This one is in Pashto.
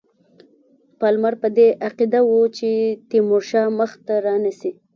پالمر په دې عقیده وو چې تیمورشاه مخته رانه سي.